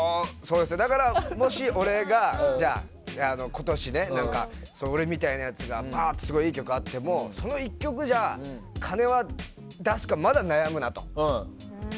だから、もし俺が今年俺みたいなやつがぱっとすごいいい曲があってもその１曲じゃ、金を出すかまだ悩むなと。